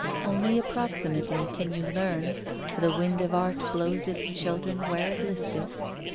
Only approximately can you learn, for the wind of art blows its children where it listeth.